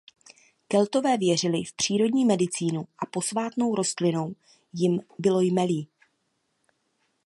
Keltové věřili v přírodní medicínu a posvátnou rostlinou jim bylo jmelí.